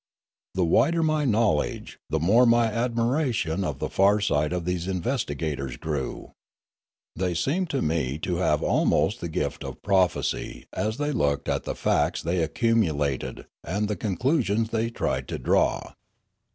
The wider my knowledge, the more my admira tion of the far sight of these investigators grew. They seemed to me to have almost the gift of prophecy as they looked at the facts they accumulated and the con clusions they tried to draw.